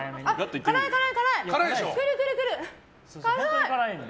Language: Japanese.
辛い、辛い！